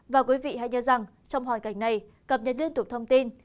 và quý vị hãy nhớ rằng trong hoàn cảnh này cập nhật liên tục thông tin